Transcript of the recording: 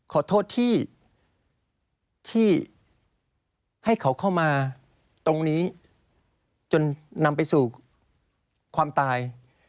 ขอโทษที่ให้เขาเข้ามาตรงนี้จนนำไปสู่ความตาย